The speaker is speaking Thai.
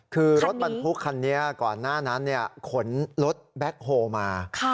คือรถบรรทุกคันนี้ก่อนหน้านั้นขนรถแบ็คโฮมา